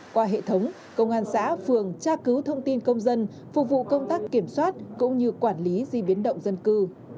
qua hệ thống công an xã phường tra cứu thông tin công dân phục vụ công tác kiểm soát cũng như quản lý di biến động dân cư